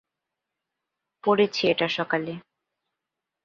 পড়েছি এটা সকালে।